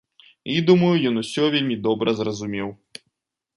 І думаю, ён усё вельмі добра зразумеў.